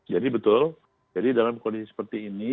jadi betul jadi dalam kondisi seperti ini